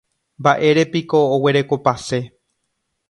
Mba'érepiko oguerekopase.